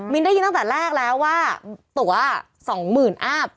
มิ้นได้ยินตั้งแต่แรกแล้วว่าตั๋วสองหมื่นอาบ